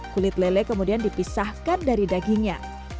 kulit lele kemudian dipisahkan dari dagingnya